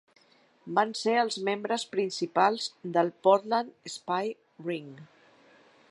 Van ser els membres principals del Portland Spy Ring.